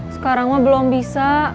sekarang mah belum bisa